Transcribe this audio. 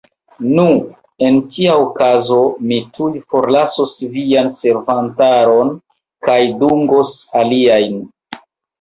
Nu, en tia okazo mi tuj forlasos vian servantaron kaj dungos aliajn.